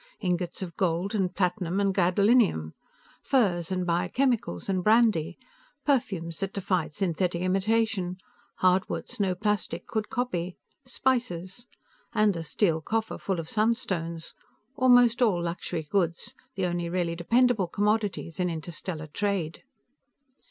Ingots of gold and platinum and gadolinium. Furs and biochemicals and brandy. Perfumes that defied synthetic imitation; hardwoods no plastic could copy. Spices. And the steel coffer full of sunstones. Almost all luxury goods, the only really dependable commodities in interstellar trade.